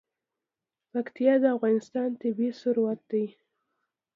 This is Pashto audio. پکتیا د افغانستان طبعي ثروت دی.